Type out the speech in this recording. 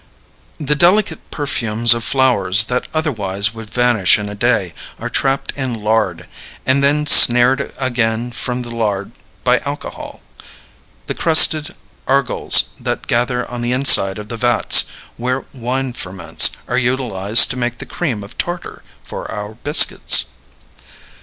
The delicate perfumes of flowers that otherwise would vanish in a day are trapped in lard, and then snared again from the lard by alcohol. The crusted argols that gather on the inside of the vats where wine ferments are utilized to make the cream of tartar for our biscuits.